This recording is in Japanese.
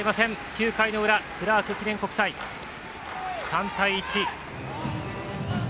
９回の裏、クラーク記念国際３対１。